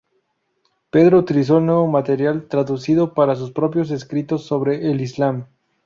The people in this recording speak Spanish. Pedro utilizó el nuevo material traducido para sus propios escritos sobre el Islam.